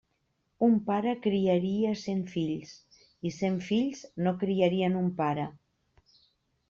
Un pare criaria cent fills, i cent fills no criarien un pare.